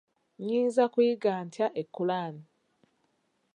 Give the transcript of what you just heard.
Nyinza kuyiga ntya ekulaanii?